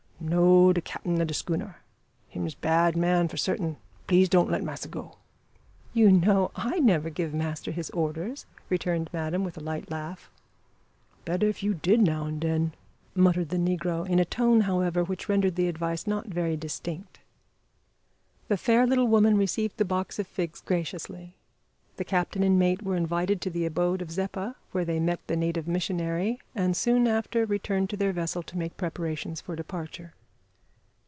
"No, de cappin ob de skooner. Hims bad man for certin. Please don' let massa go." "You know I never give master his orders," returned madame, with a light laugh. "Better if you did, now an' den," muttered the negro, in a tone, however, which rendered the advice not very distinct. The fair little woman received the box of figs graciously; the captain and mate were invited to the abode of Zeppa, where they met the native missionary, and soon after returned to their vessel to make preparations for departure.